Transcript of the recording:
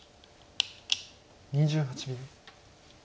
２８秒。